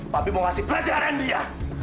papi mau ngasih pelajaran dia